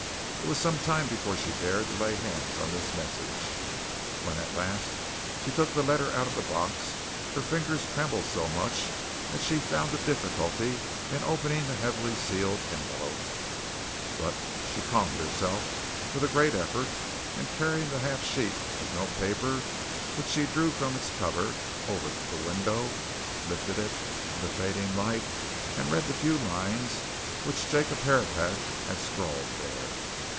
It was some time before she dared to lay hands on this message when at last she took the letter out of the box her fingers trembled so much that she found a difficulty in opening the heavily sealed envelope. But she calmed herself with a great effort, and carrying the half sheet of note paper, which she drew from its cover, over to the window, lifted it in the fading light and read the few lines which Jacob Herapath had scrawled there.